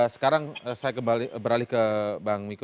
sekarang saya beralih ke bang miko